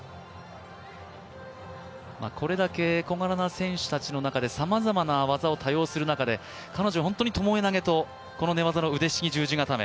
これだけ小柄な選手たちのさまざまな技を多用する中で彼女はともえ投げと、この寝技の腕ひしぎ十字固め。